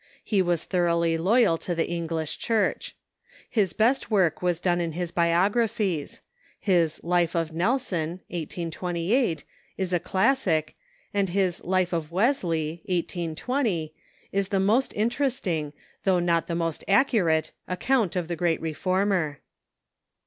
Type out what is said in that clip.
He was thoroughly loyal to the English Church. His best Avork was done in his biographies. His " Life of Nelson " (1828) is a classic, and his "Life of Wesley" (1820) is the most interesting, though not the most accurate, account of the great reformer.